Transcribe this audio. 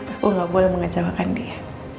aku gak boleh mengecewakan dia